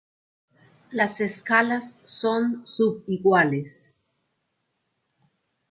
Las escalas son sub-iguales.